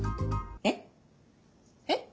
えっ？えっ？